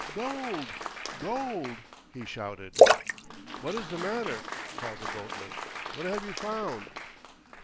"Gold! Gold!" he shouted. "What is the matter?" called the boatman. "What have you found?"